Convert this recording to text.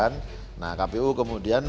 kepentingan yang diperlukan adalah